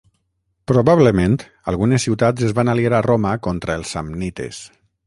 Probablement algunes ciutats es van aliar a Roma contra els samnites.